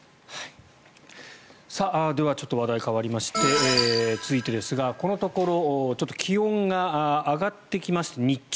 では、ちょっと話題は変わりまして続いてですがこのところちょっと気温が上がってきまして、日中。